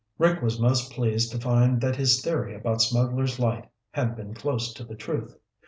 Rick was most pleased to find that his theory about Smugglers' Light had been close to the truth.